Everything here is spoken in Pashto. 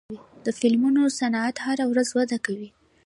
د فلمونو صنعت هره ورځ وده کوي.